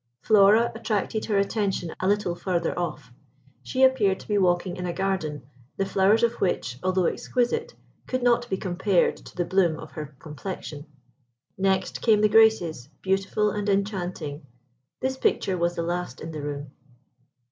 Flora attracted her attention a little further off. She appeared to be walking in a garden, the flowers of which, although exquisite, could not be compared to the bloom of her complexion. Next came the Graces, beautiful and enchanting. This picture was the last in the room.